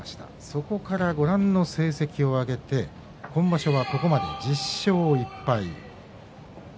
そこからご覧の成績を上げて今場所はここまで１０勝１敗。